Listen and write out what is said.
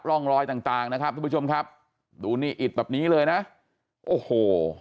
ร่องรอยต่างต่างนะครับทุกผู้ชมครับดูนี่อิดแบบนี้เลยนะโอ้โห